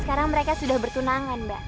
sekarang mereka sudah bertunangan mbak